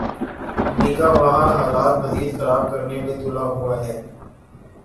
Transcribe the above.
امریکہ وہاں حالات مزید خراب کرنے پہ تلا ہوا ہے۔